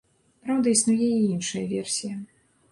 Праўда, існуе і іншая версія.